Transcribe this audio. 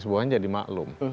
semuanya jadi maklum